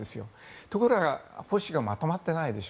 ところが、保守がまとまっていないでしょ。